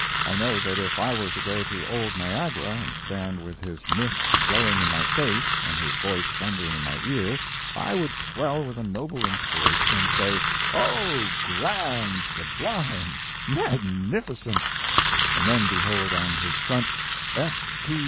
I know that if I were to go to old Niagara, and stand with his mists blowing in my face and his voice thundering in my ear, I would swell with a noble inspiration and say, "Oh, grand, sublime, magnificent—" and then behold on his front, "S. T.